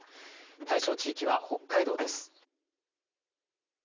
対象地域は北海道です。